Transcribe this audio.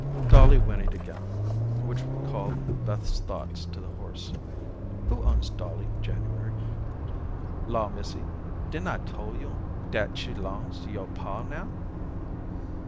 Dolly whinnied again, which recalled Beth's thoughts to the horse. "Who owns Dolly, January?" "Law, missy, didn't I tole yo' dat she 'longs to yer paw now?"